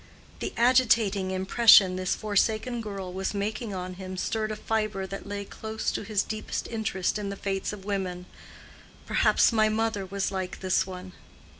The agitating impression this forsaken girl was making on him stirred a fibre that lay close to his deepest interest in the fates of women—"perhaps my mother was like this one."